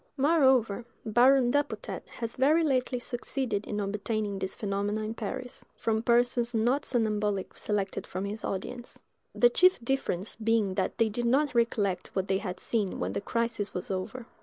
Moreover, Baron Dupotet has very lately succeeded in obtaining these phenomena in Paris, from persons not somnambulic selected from his audience,—the chief difference being that they did not recollect what they had seen when the crisis was over.